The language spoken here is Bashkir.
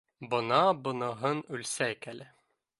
Бына быныһын үлсәйек әле.